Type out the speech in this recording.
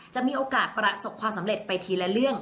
จะมีโอกาสประสบความสำเร็จไปทีละเรื่อง